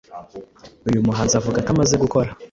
Uyu muhanzi avuga ko amaze gukora